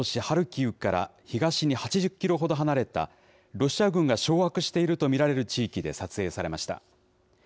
ハルキウから東に８０キロほど離れた、ロシア軍が掌握していると見られる地域で撮影されました。